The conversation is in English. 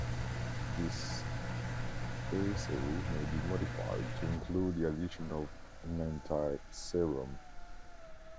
This assay may be modified to include the addition of an antiserum.